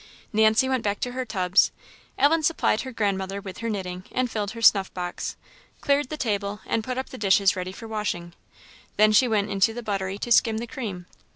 Nancy went back to her tubs. Ellen supplied her grandmother with her knitting, and filled her snuff box; cleared the table, and put up the dishes ready for washing. Then she went into the buttery to skim the cream.